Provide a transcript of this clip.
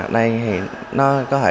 đây thì nó có thể